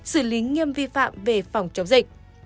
xử lý nghiêm vi phạm về phòng chống dịch